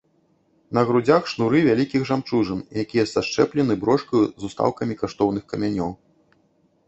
На грудзях шнуры вялікіх жамчужын, якія сашчэплены брошкаю з устаўкамі каштоўных камянёў.